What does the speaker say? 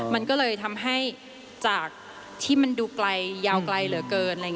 มันก็เลยทำให้จากที่มันดูไกลยาวไกลเหลือเกิน